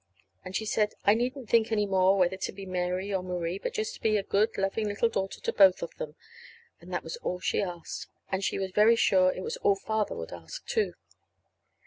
And she said I needn't think any more whether to be Mary or Marie; but to be just a good, loving little daughter to both of them; and that was all she asked, and she was very sure it was all Father would ask, too.